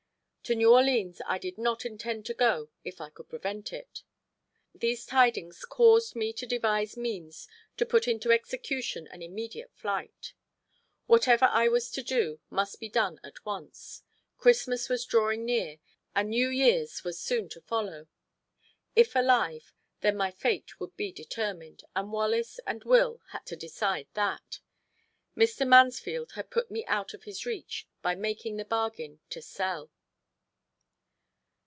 To New Orleans I did not intend to go if I could prevent it. These tidings caused me to devise means to put into execution an immediate flight. Whatever I was to do must be done at once. Christmas was drawing near, and New Year's was soon to follow; if alive, then my fate would be determined, and Wallace and Will had to decide that. Mr. Mansfield had put me out of his reach by making the bargain to sell.